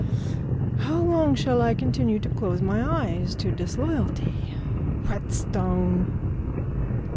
How long shall I continue to close my eyes to disloyalty? Whetstone!